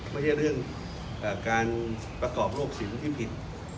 ไม่ใช่เรื่องการประกอบโรคสินที่ผิด